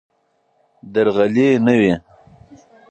درغلي نه وي.